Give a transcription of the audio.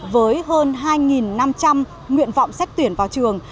với hơn hai năm trăm linh nguyện vọng xét tuyển vào trường